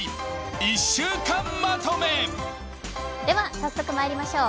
早速まいりましょう。